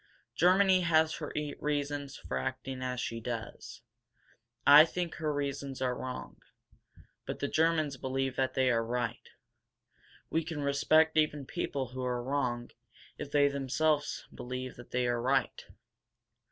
Germany has her reasons for acting as she does. I think her reasons are wrong. But the Germans believe that they are right. We can respect even people who are wrong if they themselves believe that they are right.